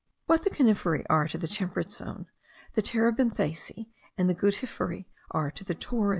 What the coniferae are to the temperate zone, the terebinthaceae and the guttiferae are to the torrid.